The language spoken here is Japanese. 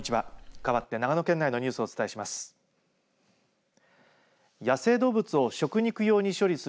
かわって長野県内のニュースをお伝えします。